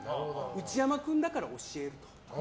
内山君だから教えると。